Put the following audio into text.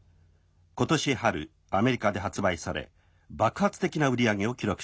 今年春アメリカで発売され爆発的な売り上げを記録しています」。